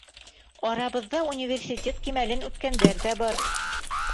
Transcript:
Арабыҙҙа университет кимәлен үткәндәр ҙә бар.